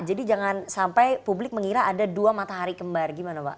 jadi jangan sampai publik mengira ada dua matahari kembar gimana pak